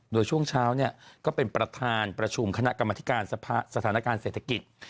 โดยช่วงเช้าเนี่ยก็เป็นประธานประชุมคณะกรรมธิการสถานการณ์เศรษฐกิจ